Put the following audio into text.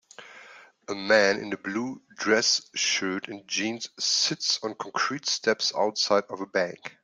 A man in a blue dress shirt and jeans sits on concrete steps outside of a bank